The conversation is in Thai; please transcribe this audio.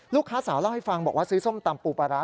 สาวเล่าให้ฟังบอกว่าซื้อส้มตำปูปลาร้า